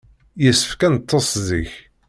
Yessefk ad neṭṭes zik.